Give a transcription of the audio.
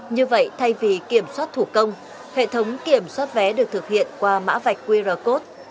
như vậy thay vì kiểm soát thủ công hệ thống kiểm soát vé được thực hiện qua mã vạch qr code